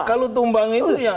kalau tumbang itu ya